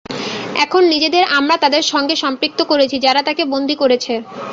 এখন নিজেদের আমরা তাদের সঙ্গে সম্পৃক্ত করেছি, যারা তাঁকে বন্দী করেছে।